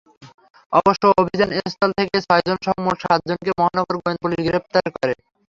অবশ্য অভিযানস্থল থেকে ছয়জনসহ মোট সাতজনকে মহানগর গোয়েন্দা পুলিশ গ্রেপ্তার করে।